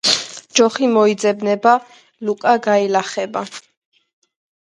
ჯოხი მოიძებნება ლუკა გაილახება